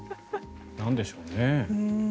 なんでしょうね。